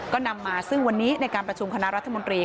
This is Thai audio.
ก็นำมาซึ่งวันนี้ในการประชุมคณะรัฐมนตรี